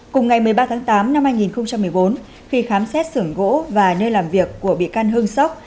cùng ngày một mươi ba tháng tám năm hai nghìn một mươi bốn khi khám xét sưởng gỗ và nơi làm việc của bị can hưng sóc